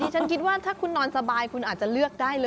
ฉันคิดว่าถ้าคุณนอนสบายคุณอาจจะเลือกได้เลย